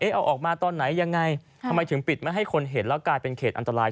เอาออกมาตอนไหนยังไงทำไมถึงปิดไม่ให้คนเห็นแล้วกลายเป็นเขตอันตราย